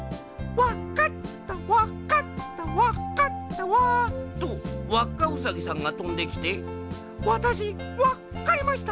「わっかったわっかったわっかったわ」とわっかウサギさんがとんできて「わたしわっかりました。